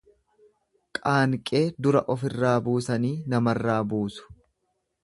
Qaanqee dura ofirraa buusanii namarraa buusu.